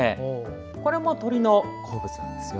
これも鳥の好物なんですよ。